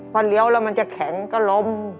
พอเลี้ยวแล้วมันจะแข็งก็ล้ม